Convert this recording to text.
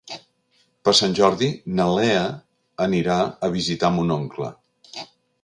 Per Sant Jordi na Lea anirà a visitar mon oncle.